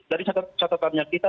dari catatannya kita